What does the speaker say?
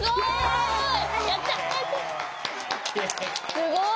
すごい。